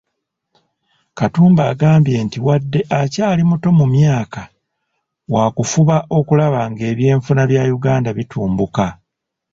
Katumba agambye nti wadde akyali muto mu myaka, waakufuba okulaba ng'ebyenfuna bya Uganda bitumbuka.